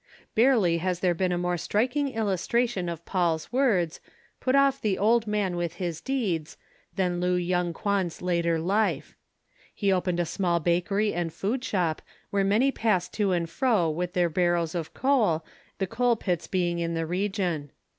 Barely has there been a more striking illustration of Paul's words, "Put off the old man with his deeds," than Lu Yung Kwan's after life. He opened a small bakery and food shop where many passed to and fro with their barrows of coal, the coal pits being in the region.